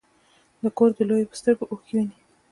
د کور د لویو په سترګو اوښکې وینې.